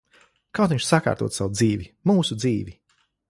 Kaut viņš sakārtotu savu dzīvi. Mūsu dzīvi.